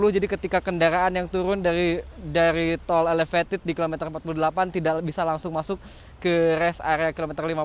jadi ketika kendaraan yang turun dari tol elevated di kilometer empat puluh delapan tidak bisa langsung masuk ke rest area kilometer lima puluh